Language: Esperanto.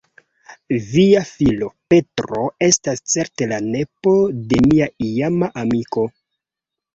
Via filo, Petro, estas certe la nepo de mia iama amiko.